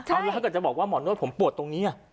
เอาแล้วถ้าเกิดจะบอกว่าหมอนวดผมปวดตรงนี้